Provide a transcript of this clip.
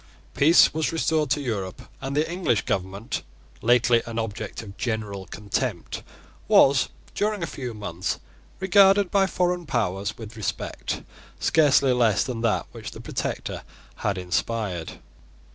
Peace was restored to Europe; and the English government, lately an object of general contempt, was, during a few months, regarded by foreign powers with respect scarcely less than that which the Protector had inspired.